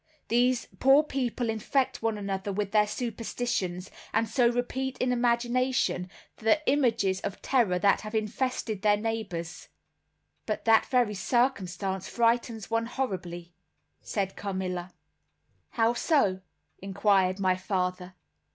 These poor people infect one another with their superstitions, and so repeat in imagination the images of terror that have infested their neighbors." "But that very circumstance frightens one horribly," said Carmilla. "How so?" inquired my father.